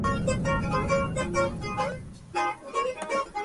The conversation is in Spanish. La hembra pone generalmente un solo huevo.